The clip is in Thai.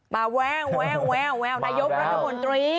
แววแววนายกรัฐมนตรี